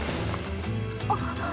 あっ！